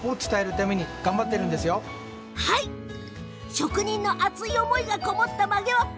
職人の熱い思いがこもった曲げわっぱ。